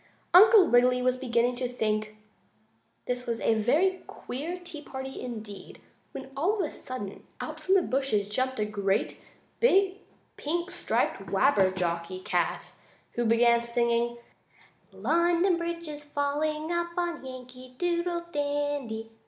Uncle Wiggily was beginning to think this was a very queer tea party indeed, when, all of sudden, out from the bushes jumped a great, big, pink striped Wabberjocky cat, who began singing: "London Bridge is falling up, On Yankee Doodle Dandy!